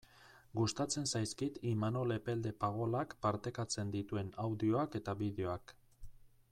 Gustatzen zaizkit Imanol Epelde Pagolak partekatzen dituen audioak eta bideoak.